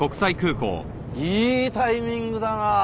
いいタイミングだなあ。